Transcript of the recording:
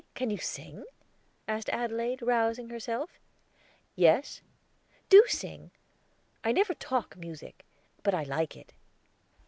Can you sing?" asked Adelaide, rousing herself. "Yes." "Do sing. I never talk music; but I like it."